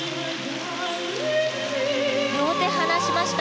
両手を離しました。